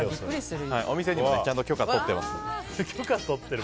お店にもちゃんと許可を取っています。